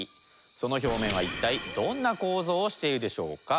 その表面は一体どんな構造をしているでしょうか。